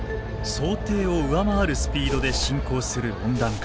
想定を上回るスピードで進行する温暖化。